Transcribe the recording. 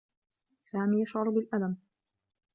سامي يشعر بالألم.